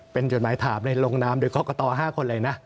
เป็นจดหมายถามในลงนามโดยกรกต๕คนเลยนะ